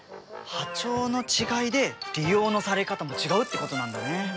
波長の違いで利用のされ方も違うってことなんだね。